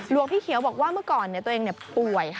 พี่เขียวบอกว่าเมื่อก่อนตัวเองป่วย